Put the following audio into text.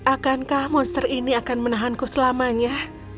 akankah monster ini akan menahanku selamanya